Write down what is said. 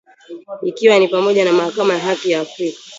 Ikiwa ni pamoja na Mahakama ya Haki ya Afrika